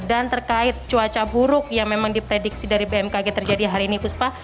dan terkait cuaca buruk yang memang diprediksi dari bmkg terjadi hari ini puspa